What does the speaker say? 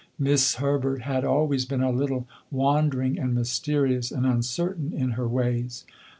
'Mis' Herbert had always been a little wandering and mysterious and uncertain in her ways.